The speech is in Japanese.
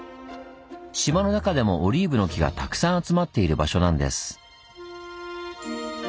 島の中でもオリーブの木がたくさん集まっている場所なんです。